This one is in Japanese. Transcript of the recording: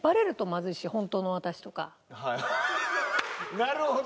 なるほど。